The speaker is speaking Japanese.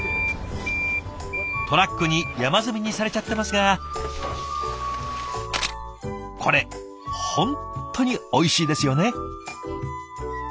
トラックに山積みにされちゃってますがこれ本当においしいですよね。